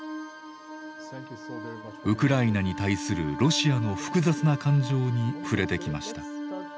ウクライナに対するロシアの複雑な感情に触れてきました。